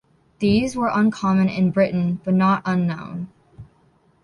These were uncommon in Britain, but not unknown.